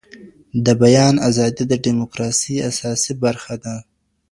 د بیان ازادي د ډیموکراسۍ اساسي برخه ده.